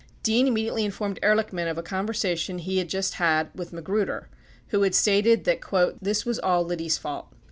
Dean imme diately informed Ehrlichman of a conversation he had just had with Magruder, who had stated that "this was all Liddy's fault."